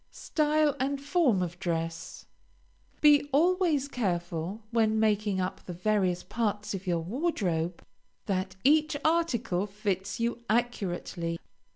STYLE AND FORM OF DRESS Be always careful when making up the various parts of your wardrobe, that each article fits you accurately.